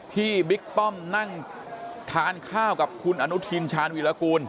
บิ๊กป้อมนั่งทานข้าวกับคุณอนุทินชาญวิรากูล